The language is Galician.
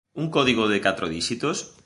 Un código de catro díxitos?